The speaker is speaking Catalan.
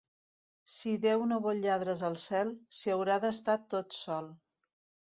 Si Déu no vol lladres al cel, s'hi haurà d'estar tot sol.